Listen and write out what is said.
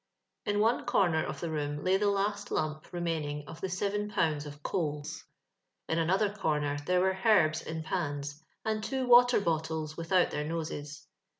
In one comer of the room lay the last lump remaining of the seven pounds of coals. In another comer there were herbs in pans, and two water bottles without their noses.